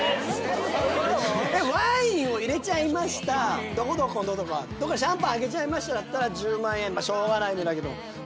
ワインを入れちゃいましたどこどこのとかシャンパン開けちゃいましただったら１０万円しょうがないねだけど。